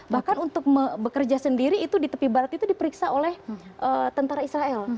bahkan untuk bekerja sendiri itu di tepi barat itu diperiksa oleh tentara israel